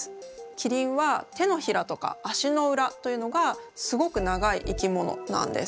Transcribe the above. キリンは手のひらとか足の裏というのがすごく長い生き物なんです。